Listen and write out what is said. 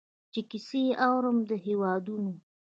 چي کیسې اورم د هیوادونو